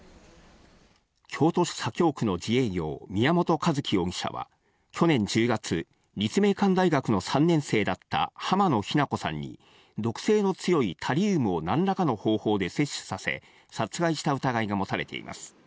京都市左京区の自営業・宮本一希容疑者は、去年１０月、立命館大学の３年生だった浜野日菜子さんに毒性の強いタリウムを何らかの方法で摂取させ、殺害した疑いが持たれています。